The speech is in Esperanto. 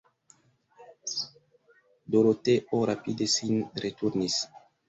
Doroteo rapide sin returnis.